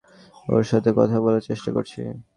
আমি ওর সাথে কথা বলার চেষ্টা করছি।